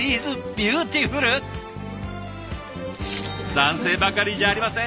男性ばかりじゃありません。